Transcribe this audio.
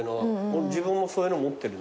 俺自分もそういうの持ってるな。